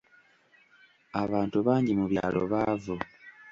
Abantu bangi mu byalo baavu.